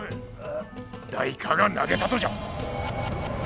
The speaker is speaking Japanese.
誰かが投げたとじゃ。